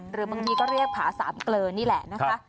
หรือบางทีก็เรียกผาสามเกลอนี่แหละนะคะ